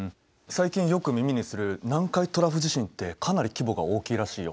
最近よく耳にする南海トラフ地震ってかなり規模が大きいらしいよ。